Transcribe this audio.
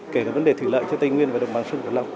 kể cả vấn đề thủy lợi cho tây nguyên và đồng bằng sông cửa lọc